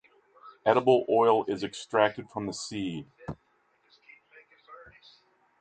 Edible oil is extracted from the seed.